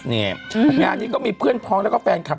นี่งานนี้ก็มีเพื่อนพ้องแล้วก็แฟนคลับ